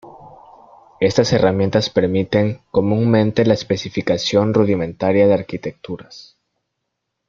Estas herramientas permiten comúnmente la especificación rudimentaria de arquitecturas.